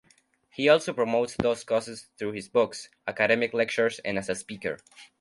He also promotes those causes through his books, academic lectures and as a speaker.